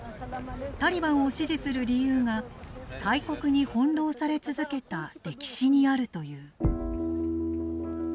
タリバンを支持する理由が大国に翻弄され続けた歴史にあるという。